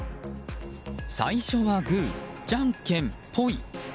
最初はグーじゃんけんポイ！